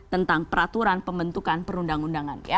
tentang peraturan pembentukan perundang undangan